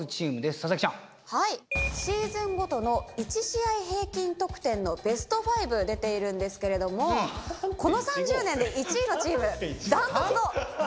シーズンごとの１試合平均得点のベスト５出ているんですけれどもこの３０年で１位のチーム断トツの３．１５。